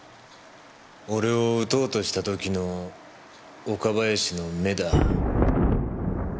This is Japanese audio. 俺を撃とうとした時の岡林の目だ。